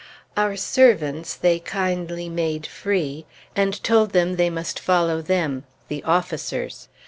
Our servants they kindly made free, and told them they must follow them (the officers).